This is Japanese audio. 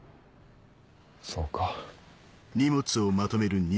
そうか。